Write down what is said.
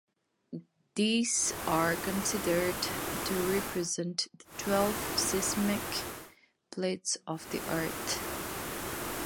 These are considered to represent the twelve seismic plates of the Earth.